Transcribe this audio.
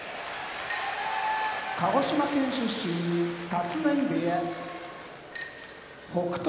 鹿児島県出身立浪部屋北勝